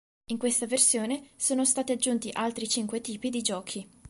In questa versione, sono stati aggiunti altri cinque tipi di giochi.